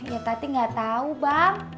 ya tadi gak tau bang